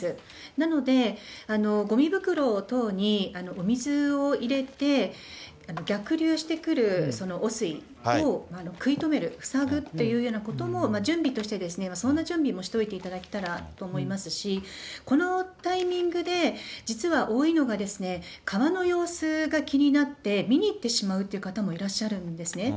なので、ごみ袋等にお水を入れて、逆流してくる汚水を食い止める、塞ぐというようなことも準備として、そんな準備もしておいていただけたらと思いますし、このタイミングで実は多いのが、川の様子が気になって、見に行ってしまうという方もいらっしゃるんですね。